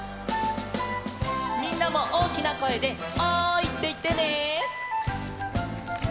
みんなもおおきなこえで「おい！」っていってね。